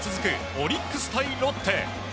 オリックス対ロッテ。